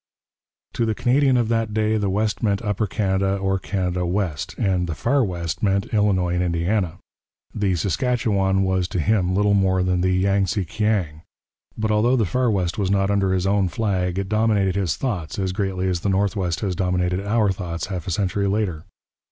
To the Canadian of that day the West meant Upper Canada or Canada West, and 'the far west' meant Illinois and Indiana. The Saskatchewan was to him little more than the Yang tse Kiang. But although the far west was not under his own flag, it dominated his thoughts as greatly as the North West has dominated our thoughts half a century later.